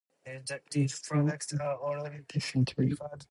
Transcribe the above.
Tombstones of the twentieth century.